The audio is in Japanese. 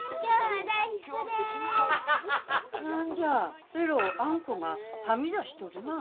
何じゃえろうあんこがはみ出しとるなあ。